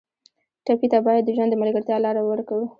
ټپي ته باید د ژوند د ملګرتیا لاره ورکړو.